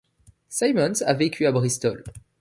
Simmons a vécu à Bristol.